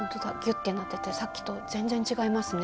ッてなっててさっきと全然違いますね。